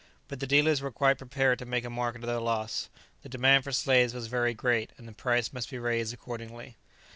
But the dealers were quite prepared to make a market of their loss; the demand for slaves was very great, and the price must be raised accordingly.